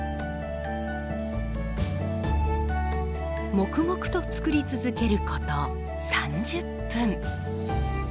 黙々と作り続けること３０分。